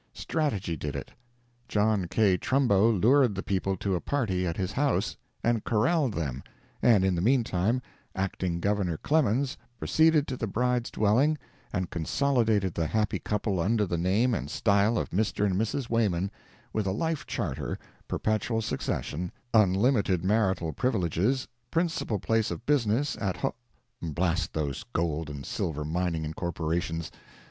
Strategy did it. John K. Trumbo lured the people to a party at his house, and corraled them, and in the meantime Acting Governor Clemens proceeded to the bride's dwelling and consolidated the happy couple under the name and style of Mr. and Mrs. Wayman, with a life charter, perpetual succession, unlimited marital privileges, principal place of business at ho—blast those gold and silver mining incorporations!